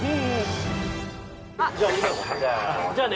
じゃあね。